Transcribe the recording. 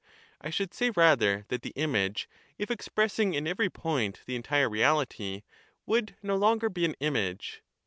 I should say rather that the image, if expressing in every point the entire reality, would no longer be an image.